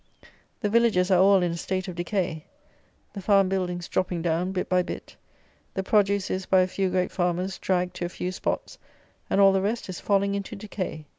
The villages are all in a state of decay. The farm buildings dropping down, bit by bit. The produce is, by a few great farmers, dragged to a few spots, and all the rest is falling into decay.